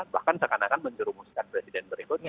bahkan sekan akan mencurumuskan presiden berikutnya